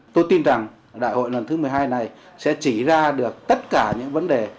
tôi tin rằng đại hội lần thứ một mươi hai này sẽ chỉ ra được tất cả những vấn đề